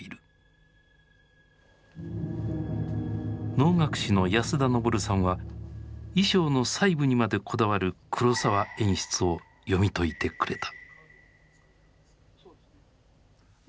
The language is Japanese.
能楽師の安田登さんは衣装の細部にまでこだわる黒澤演出を読み解いてくれた。